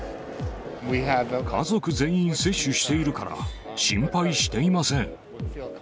家族全員接種しているから、心配していません。